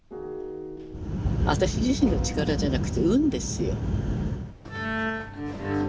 私自身の力じゃなくて運ですよ。